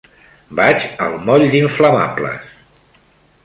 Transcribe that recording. Vaig al moll d'Inflamables.